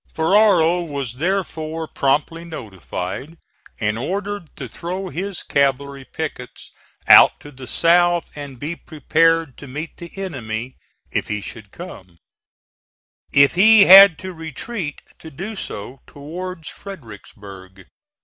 Ferrero was therefore promptly notified, and ordered to throw his cavalry pickets out to the south and be prepared to meet the enemy if he should come; if he had to retreat to do so towards Fredericksburg.